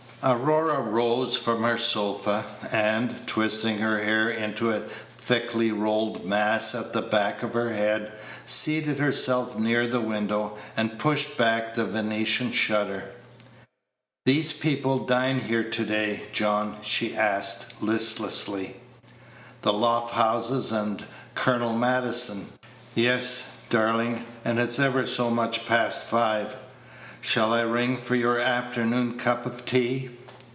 Aurora rose from her sofa, and, twisting her hair into a thickly rolled mass at the back of her head, seated herself near the window, and pushed back the Venetian shutter. "These people dine here to day, John?" she asked, listlessly. "The Lofthouses and Colonel Maddison? Yes, darling; and it's ever so much past five. Shall I ring for your afternoon cup of tea?"